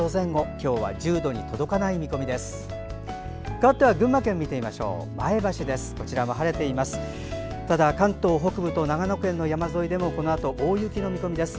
今日は１０度に届かない見込みです。